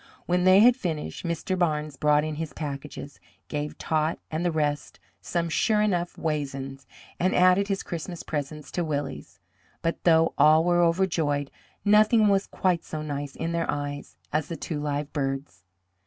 When they had finished, Mr. Barnes brought in his packages, gave Tot and the rest some "sure enough waisins," and added his Christmas presents to Willie's; but though all were overjoyed, nothing was quite so nice in their eyes as the two live birds.